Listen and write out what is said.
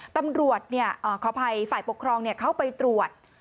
ตำรวจฝ่ายปกครองเขาไปตรวจ